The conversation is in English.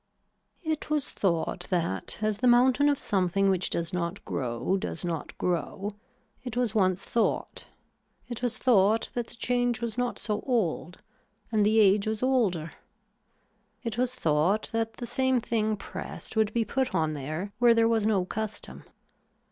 It was thought that as the mountain of something which does not grow does not grow, it was once thought, it was thought that the change was not so old and the age was older. It was thought that the same thing pressed would be put on there where there was no custom.